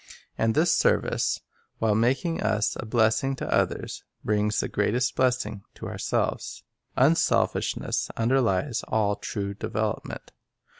And this service, while making us a blessing to others, brings the greatest blessing to ourselves. Unselfishness underlies all true development.